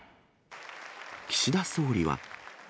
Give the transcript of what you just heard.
岸田総理は。